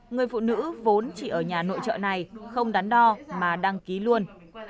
người phụ nữ vốn chỉ ở nhà nội trợ này không đắn đo mà đăng ký luôn